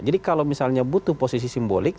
jadi kalau misalnya butuh posisi simbolik